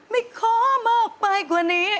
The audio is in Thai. ไม่ขอมากไปกว่านี้